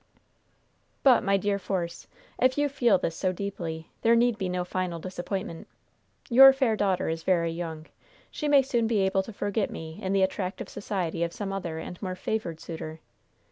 "But, my dear Force, if you feel this so deeply, there need be no final disappointment. Your fair daughter is very young. She may soon be able to forget me in the attractive society of some other and more favored suitor.